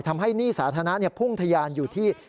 ทำให้หนี้สาธารณะเนี่ยพุ่งทยานอยู่ที่